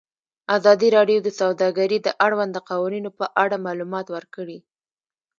ازادي راډیو د سوداګري د اړونده قوانینو په اړه معلومات ورکړي.